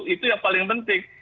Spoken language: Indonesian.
itu yang paling penting